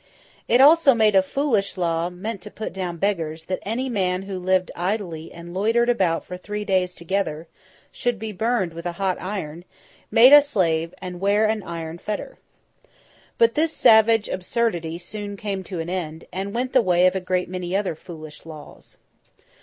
It also made a foolish law (meant to put down beggars), that any man who lived idly and loitered about for three days together, should be burned with a hot iron, made a slave, and wear an iron fetter. But this savage absurdity soon came to an end, and went the way of a great many other foolish laws.